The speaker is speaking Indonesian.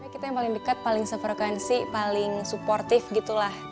kita yang paling dekat paling se vokansi paling suportif gitu lah